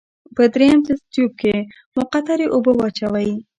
په دریم تست تیوب کې مقطرې اوبه واچوئ.